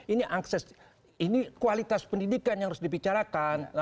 ini akses ini kualitas pendidikan yang harus dibicarakan